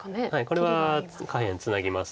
これは下辺ツナぎます。